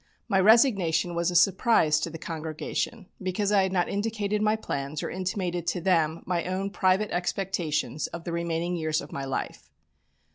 My resignation was a surprise to the congregation because I had not indicated my plans or intimated to them my own private expectations of the remaining years of my life.